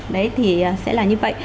đấy thì sẽ là như vậy